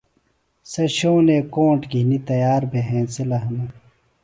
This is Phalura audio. سےۡ شونٹے کونٹ گھِنیۡ تیار بھےۡ ہِنسِلہ ہِنہ